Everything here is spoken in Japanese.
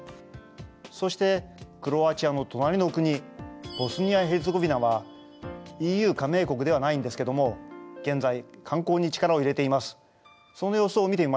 そしてクロアチアの隣の国ボスニア・ヘルツェゴビナはＥＵ加盟国ではないんですけども現在観光に力を入れています。